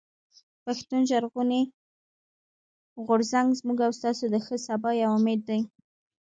پښتون ژغورني غورځنګ زموږ او ستاسو د ښه سبا يو امېد دی.